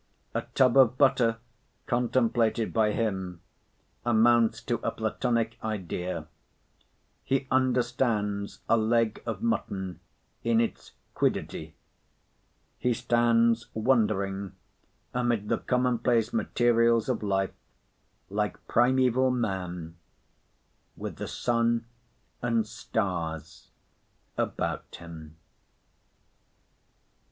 A tub of butter, contemplated by him, amounts to a Platonic idea. He understands a leg of mutton in its quiddity. He stands wondering, amid the commonplace materials of life, like primæval man, with the sun and stars about him.